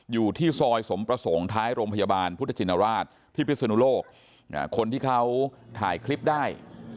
อยู่ที่ซอยสมประสงค์ท้ายโรงพยาบาลพุทธชินราชที่พิศนุโลกคนที่เขาถ่ายคลิปได้